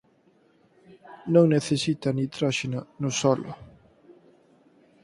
Non necesita nitróxeno no solo.